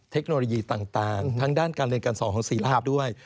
เทคโนโลยีต่างทั้งด้านการเรียนการสอนของศรีราชด้วย